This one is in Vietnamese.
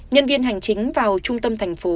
nhân viên hành chính vào trung tâm thành phố